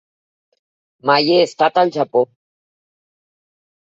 Mai he estat al Japó.